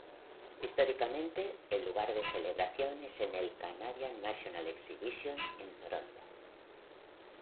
Históricamente, el lugar de celebración es el Canadian National Exhibition, en Toronto.